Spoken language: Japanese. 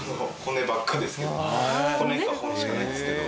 骨か本しかないですけど。